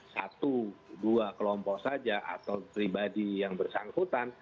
satu dua kelompok saja atau pribadi yang bersangkutan